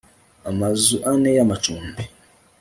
amazu ane y amacumbi